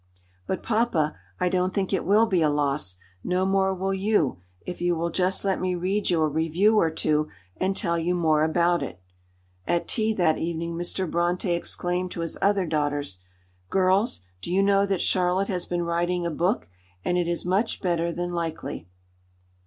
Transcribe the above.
"But, papa, I don't think it will be a loss; no more will you, if you will just let me read you a review or two, and tell you more about it." At tea that evening Mr. Brontë exclaimed to his other daughters, "Girls, do you know that Charlotte has been writing a book, and it is much better than likely?"